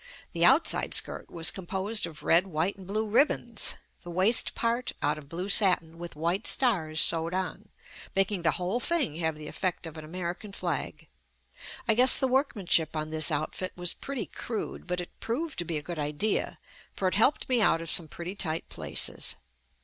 The outside skirt was composed of red, white and blue ribbons. The waist part out of blue satin with white stars sewed on, making the whole thing have the effect of an American flag. I guess the workmanship on this outfit was pretty crude but it proved to be a good idea, for it helped me out of some pretty tight places.